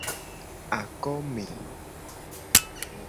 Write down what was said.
Akome.